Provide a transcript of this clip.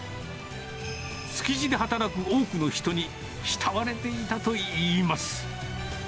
築地で働く多くの人に慕われていたといいます。